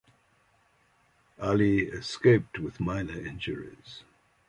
Ali escaped with minor injuries.